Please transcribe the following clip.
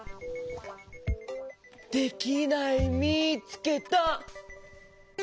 できないみつけた。